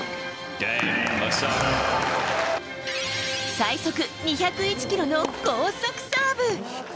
最速２０１キロの高速サーブ。